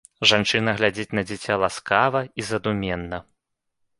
Жанчына глядзіць на дзіця ласкава і задуменна.